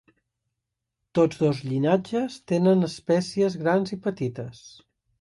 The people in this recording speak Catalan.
Tots dos llinatges tenen espècies grans i petites.